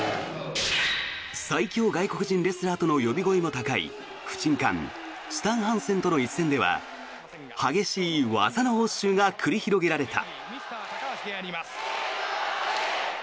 最強外国人レスラーとの呼び声も高い不沈艦、スタン・ハンセンとの一戦では激しい技の応酬が繰り広げられた。